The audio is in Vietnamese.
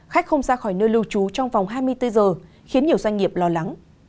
khách không ra khỏi nơi lưu trú trong vòng hai mươi bốn giờ khiến nhiều doanh nghiệp lo lắng